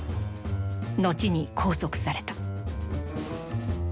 後に拘束された。